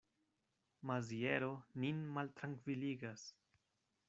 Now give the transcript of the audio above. Maziero nin maltrankviligas.